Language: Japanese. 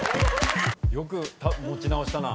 よく持ち直したな。